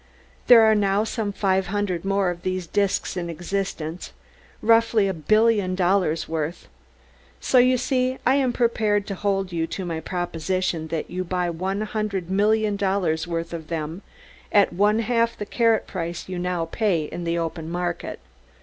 There are now some five hundred more of these disks in existence roughly a billion dollars' worth so you see I am prepared to hold you to my proposition that you buy one hundred million dollars' worth of them at one half the carat price you now pay in the open market."